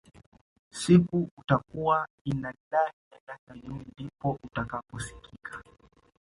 siku utakua innalillah wainnailah rajiuun ndipoo utakaposikia